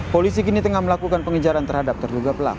polisi kini tengah melakukan pengejaran terhadap terduga pelaku